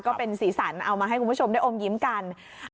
ก็เป็นสีสันเอามาให้คุณผู้ชมได้อมยิ้มกัน